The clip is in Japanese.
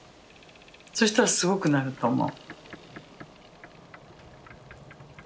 そしたらすごくなると思う」。